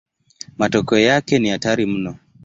Matokeo yake ni hatari mno.